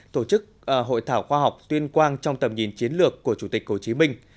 tổ chức hội thảo khoa học tuyên quang trong tầm nhìn chiến lược của chủ tịch hồ chí minh